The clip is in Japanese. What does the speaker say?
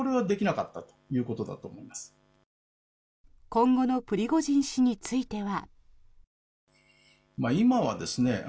今後のプリゴジン氏については。